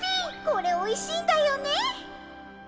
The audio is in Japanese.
これおいしいんだよね。